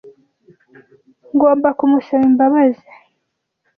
Ngomba kumusaba imbabazi.